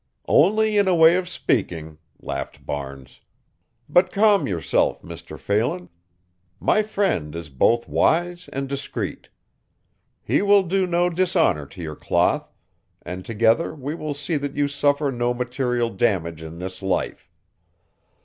"Only in a way of speaking," laughed Barnes. "But calm yourself, Mr. Phelan, my friend is both wise and discreet. He will do no dishonor to your cloth, and together we will see that you suffer no material damage in this life.